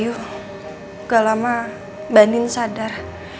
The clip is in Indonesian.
udah lama bandin sadar